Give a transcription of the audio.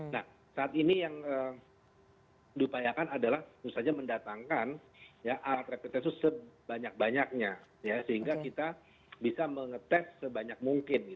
nah saat ini yang diupayakan adalah tentu saja mendatangkan alat rapid test itu sebanyak banyaknya sehingga kita bisa mengetes sebanyak mungkin